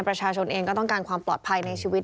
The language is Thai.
ประชาชนเองก็ต้องการความปลอดภัยในชีวิต